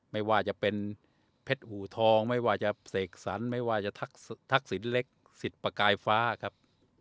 ไม่ว่าจะเป็นเพชรหูทองไม่ว่าจะเสกสรรไม่ว่าจะทักษิณเล็กสิทธิ์ประกายฟ้าครับ